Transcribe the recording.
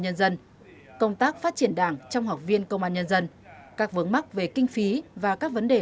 nhân dân công tác phát triển đảng trong học viên công an nhân dân các vướng mắc về kinh phí và các vấn đề